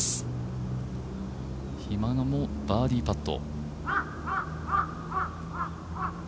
比嘉のバーディーパット。